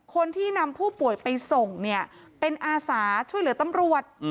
คนที่นำผู้ป่วยไปส่งเนี่ยเป็นอาสาช่วยเหลือตำรวจ